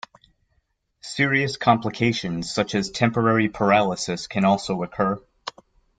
Serious complications such as temporary paralysis can also occur.